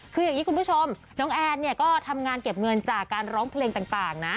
คืออย่างนี้คุณผู้ชมน้องแอนเนี่ยก็ทำงานเก็บเงินจากการร้องเพลงต่างนะ